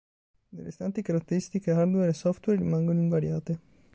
Le restanti caratteristiche hardware e software rimangono invariate.